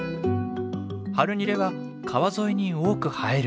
ハルニレは川沿いに多く生える木。